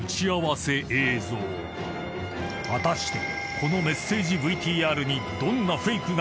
［果たしてこのメッセージＶＴＲに］